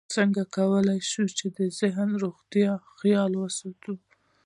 څنګه کولی شم د ذهني روغتیا خیال وساتم